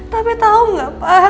tapi tau gak pak